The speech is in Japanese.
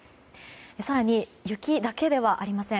更に雪だけではありません。